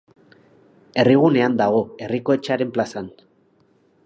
Herrigunean dago, Herriko Etxearen plazan.